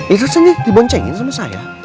itu seni diboncengin sama saya